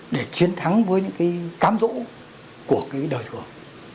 để chiến thắng với những cái cám dũ của cái đời thường